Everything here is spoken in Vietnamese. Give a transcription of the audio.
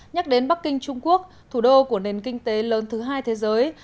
nhắc đến bắc kinh trung quốc thủ đô của nền kinh tế lớn thứ hai thế giới